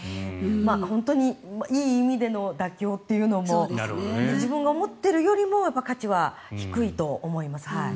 本当にいい意味での妥協というのも自分が思っているよりも価値は低いと思います。